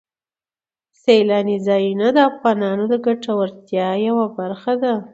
سیلاني ځایونه د افغانانو د ګټورتیا یوه برخه ده.